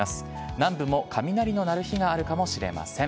南部も雷の鳴る日があるかもしれません。